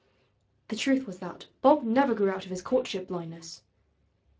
The truth was that Bob never grew out of his courtship blindness.